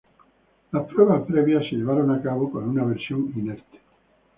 Las pruebas previas se llevaron a cabo con una versión inerte.